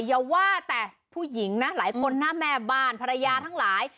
อย่าว่าแต่ผู้หญิงนะหลายคนหน้าแม่บ้านภรรยาทั้งหลาย